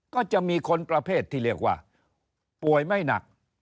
ก็จะมีคนประเภทที่เรียกว่าป่วยไม่หนัก